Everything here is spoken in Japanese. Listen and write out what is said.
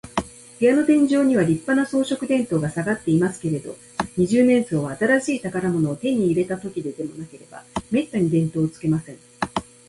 部屋の天井には、りっぱな装飾電燈がさがっていますけれど、二十面相は、新しい宝物を手に入れたときででもなければ、めったに電燈をつけません。